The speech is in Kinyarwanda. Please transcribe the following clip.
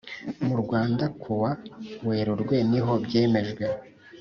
mu Rwanda kuwa Werurwe niho byemejwe